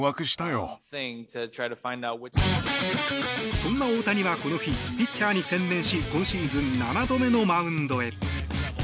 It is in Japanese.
そんな大谷はこの日ピッチャーに専念し今シーズン７度目のマウンドへ。